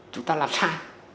chúng ta làm sai